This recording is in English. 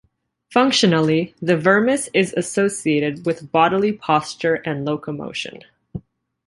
Functionally, the vermis is associated with bodily posture and locomotion.